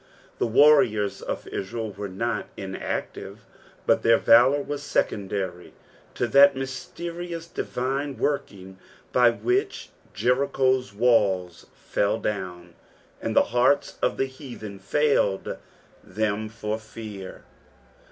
The warriors of Israel were not inactive, hut their valour was secondary to that mysterious, divine working by which Jericho'* walia fell down, and the heartB of the heathen failed them for fear.